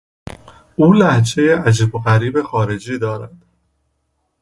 او لهجهای عجیب و غریب خارجی دارد.